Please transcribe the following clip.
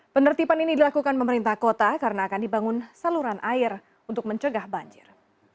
penertiban ini dilakukan pemerintah kota karena akan dibangun saluran air untuk mencegah banjir